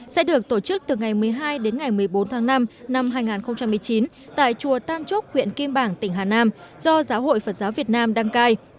sẽ được tổ chức từ ngày một mươi hai đến ngày một mươi bốn tháng năm năm hai nghìn một mươi chín tại chùa tam trúc huyện kim bảng tỉnh hà nam do giáo hội phật giáo việt nam đăng cai